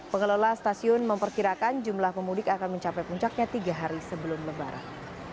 pengelola stasiun memperkirakan jumlah pemudik akan mencapai puncaknya tiga hari sebelum lebaran